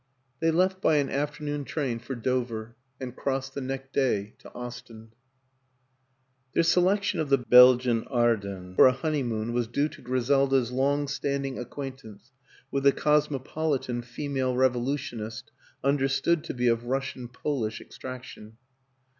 They left by an afternoon train for Dover and crossed the next day to Ostend. Their selection of the Belgian Ardennes for a honeymoon was due to Griselda's long standing acquaintance with a cosmopolitan female revolu tionist understood to be of Russian Polish extrac tion.